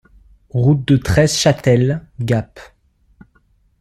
Route de Treschâtel, Gap